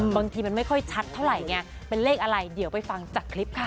บางทีมันไม่ค่อยชัดเท่าไหร่ไงเป็นเลขอะไรเดี๋ยวไปฟังจากคลิปค่ะ